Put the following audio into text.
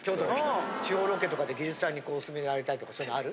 地方ロケとかで技術さんにこう勧められたとかそういうのある？